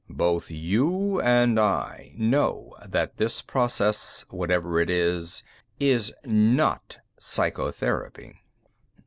"Both you and I know that this process, whatever it is, is not psychotherapy."